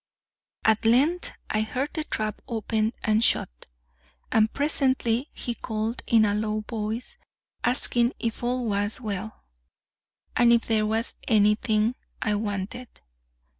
At length I heard the trap open and shut, and presently he called in a low voice, asking if all was well, and if there was any thing I wanted.